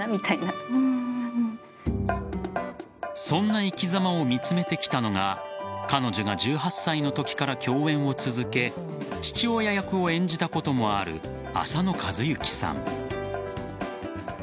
そんな生き様を見つめてきたのが彼女が１８歳のころから共演を続け父親役を演じたこともある浅野和之さん。